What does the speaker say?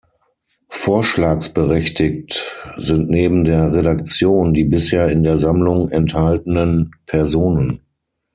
Vorschlagsberechtigt sind neben der Redaktion die bisher in der Sammlung enthaltenen Personen.